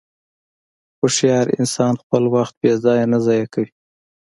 هوښیار انسان خپل وخت بېځایه نه ضایع کوي.